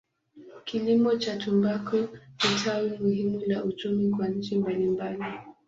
Kilimo cha tumbaku ni tawi muhimu la uchumi kwa nchi mbalimbali.